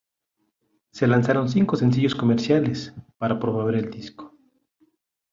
Se lanzaron cinco sencillos comerciales, para promover el disco.